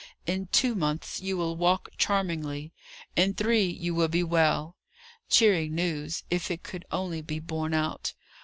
"In two months you will walk charmingly; in three, you will be well." Cheering news, if it could only be borne out.